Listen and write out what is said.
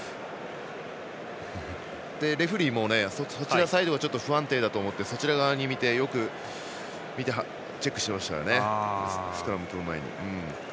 レフリーもそちらサイドが不安定だと思ってそちら側をよく見てチェックしていましたね。